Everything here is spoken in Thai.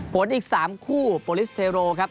อีก๓คู่โปรลิสเทโรครับ